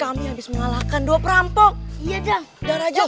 kami habis mengalahkan dua perampok iya dah darah jauh